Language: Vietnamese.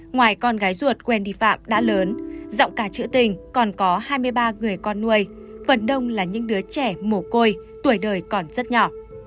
ngoài con gái ruột quen đi phạm đã lớn giọng cả trữ tình còn có hai mươi ba người con nuôi phần đông là những đứa trẻ mổ côi tuổi đời còn rất nhỏ